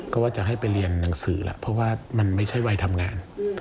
ก็ว่าจะให้ไปเรียนหนังสือแล้วเพราะว่ามันไม่ใช่วัยทำงาน